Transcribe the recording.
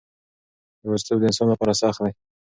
یوازیتوب د انسان لپاره سخت دی.